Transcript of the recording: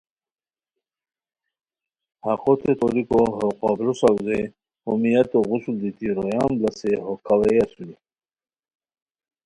حقوتے توریکو ہو قبرو ساؤزے ہو میتو غسل دیتی رویان بڑاڅے ہو کھاڑے اسونی